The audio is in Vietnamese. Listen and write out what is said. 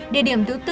địa điểm thứ tư